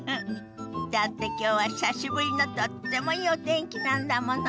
だってきょうは久しぶりのとってもいいお天気なんだもの。